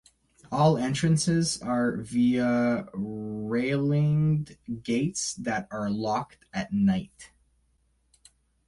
All entrances are via railinged gates that are locked at night.